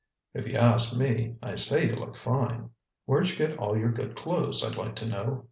"If you ask me, I say you look fine." "Where'd you get all your good clothes, I'd like to know?"